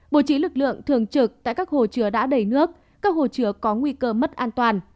bố trí lực lượng thường trực tại các hồ chứa đã đầy nước các hồ chứa có nguy cơ mất an toàn